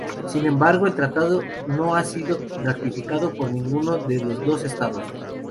Sin embargo el tratado no ha sido ratificado por ninguno de los dos estados.